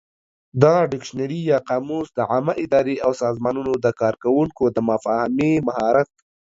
دغه ډکشنري یا قاموس د عامه ادارې او سازمانونو د کارکوونکو د مفاهمې مهارت